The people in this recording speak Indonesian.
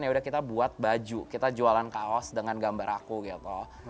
ya udah kita buat baju kita jualan kaos dengan gambar aku gitu